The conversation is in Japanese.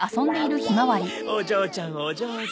お嬢ちゃんお上手。